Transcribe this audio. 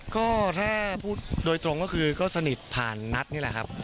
ก็ถ้าพูดโดยตรงก็คือก็สนิทผ่านหนัฐนี่แวะ